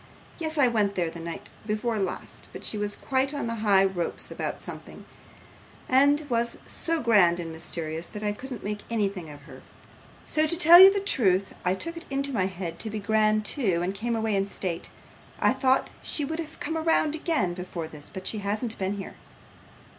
Yes, I went there the night before last, but she was quite on the high ropes about something, and was so grand and mysterious, that I couldn't make anything of her: so, to tell you the truth, I took it into my head to be grand too, and came away in state. I thought she would have come round again before this, but she hasn't been here.